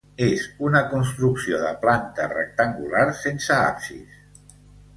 És una construcció de planta rectangular sense absis.